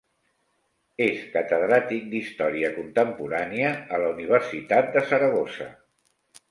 És catedràtic d'Història Contemporània a la Universitat de Saragossa.